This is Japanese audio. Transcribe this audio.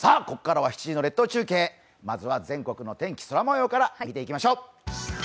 ここからは７時の列島中継、全国の天気、空模様から見ていきましょう。